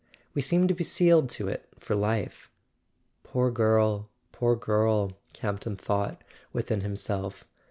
We seem to be sealed to it for life." "Poor girl—poor girl!" Campton thought within himself.